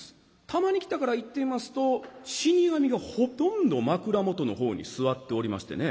たまに来たから行ってみますと死神がほとんど枕元の方に座っておりましてね